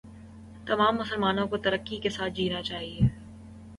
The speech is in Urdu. تمام مسلمانوں کو ترکی کا ساتھ دینا چاہئے